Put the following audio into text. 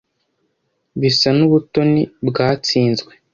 bisa n'ubutoni bwatsinzwe